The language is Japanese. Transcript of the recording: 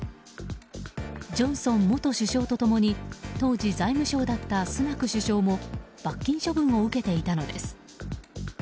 ジョンソン元首相とともに当時、財務相だったスナク首相も罰金処分を受けていたのです。